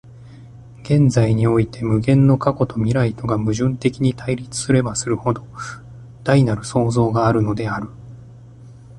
現在において無限の過去と未来とが矛盾的に対立すればするほど、大なる創造があるのである。